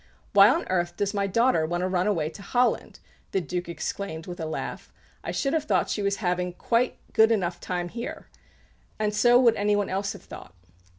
"Why on earth does my daughter want to run away to Holland?" the Due exclaimed with a laugh. "I should have thought she was having quite a good enough time here!" And so would anyone else have thought.